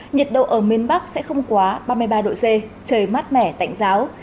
nhiệt độ ở miền bắc sẽ không quá ba mươi ba độ c trời mát mẻ tạnh giáo